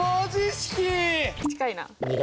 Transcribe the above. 近いな。